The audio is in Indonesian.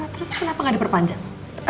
terus kenapa gak diperpanjang